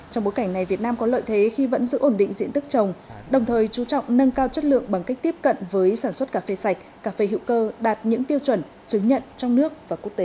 trong bối cảnh này việt nam có lợi thế khi vẫn giữ ổn định diện tức trồng đồng thời chú trọng nâng cao chất lượng bằng cách tiếp cận với sản xuất cà phê sạch cà phê hữu cơ đạt những tiêu chuẩn chứng nhận trong nước và quốc tế